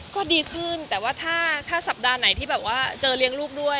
ก็ดีขึ้นแต่ว่าถ้าสัปดาห์ไหนที่แบบว่าเจอเลี้ยงลูกด้วย